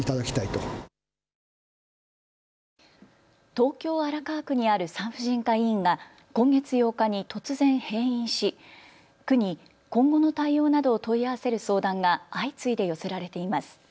東京荒川区にある産婦人科医院が今月８日に突然閉院し区に今後の対応などを問い合わせる相談が相次いで寄せられています。